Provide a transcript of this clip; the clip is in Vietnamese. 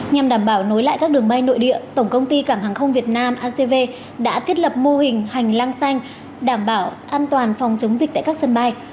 nhằm đảm bảo nối lại các đường bay nội địa tổng công ty cảng hàng không việt nam acv đã thiết lập mô hình hành lang xanh đảm bảo an toàn phòng chống dịch tại các sân bay